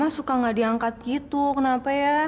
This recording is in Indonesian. suka nggak diangkat gitu kenapa ya